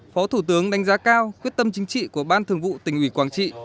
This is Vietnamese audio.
phó thủ tướng đánh giá cao quyết tâm chính trị của ban thường vụ tỉnh ủy quảng trị